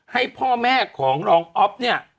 ให้พ่อแม่ของรองอ๊อฟเนี่ย